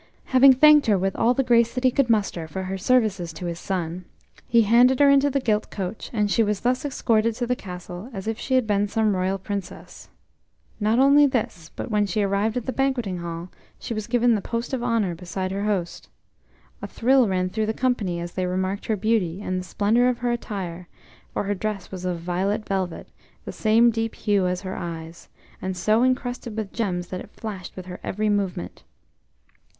Having thanked her with all the grace that he could muster for her services to his son, he handed her into the gilt coach, and she was thus escorted to the castle as if she had been some royal princess. Not only this, but when she arrived at the banqueting hall, she was given the post of honour beside her host. A thrill ran through the company as they remarked her beauty, and the splendour of her attire; for her dress was of violet velvet, the same deep hue as her eyes, and so encrusted with gems that it flashed with her every movement.